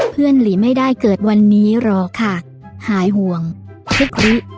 เพื่อนหรือไม่ได้เกิดวันนี้หรอค่ะหายห่วงคลิ๊ก